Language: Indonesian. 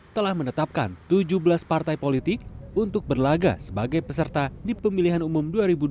telah menetapkan tujuh belas partai politik untuk berlaga sebagai peserta di pemilihan umum dua ribu dua puluh